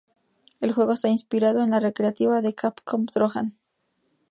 El juego está inspirado en la recreativa de Capcom Trojan.